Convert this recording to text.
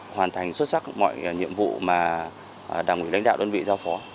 hoàn thành xuất sắc mọi nhiệm vụ mà đảng quỷ lãnh đạo đơn vị giao phó